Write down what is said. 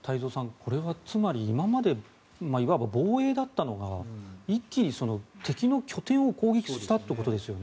これはつまり、今までいわば防衛だったのが一気に敵の拠点を攻撃したということですよね。